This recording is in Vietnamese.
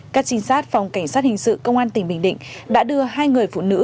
các trinh sát phòng cảnh sát hình sự công an tỉnh bình định đã đưa hai người phụ nữ